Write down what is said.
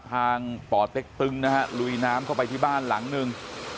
ป่อเต็กตึงนะฮะลุยน้ำเข้าไปที่บ้านหลังหนึ่ง